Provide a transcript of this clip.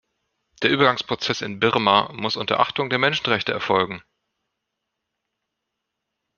Der Übergangsprozess in Birma muss unter Achtung der Menschenrechte erfolgen.